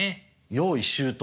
用意周到。